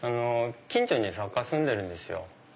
近所に作家が住んでるんですよ。